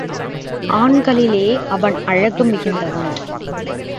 ஆண்களிலே அவன் அழகு மிகுந்தவன்.